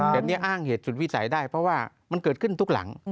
อย่างนี้อ้างเหตุสุดวิสัยได้เพราะว่ามันเกิดขึ้นทุกหลัง